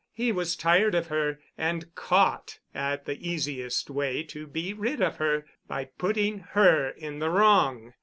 He was tired of her and caught at the easiest way to be rid of her, by putting her in the wrong.